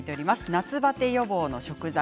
夏バテ予防の食材。